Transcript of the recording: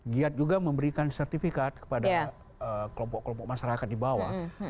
giat juga memberikan sertifikat kepada kelompok kelompok masyarakat di bawah